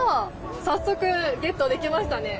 早速ゲットできましたね？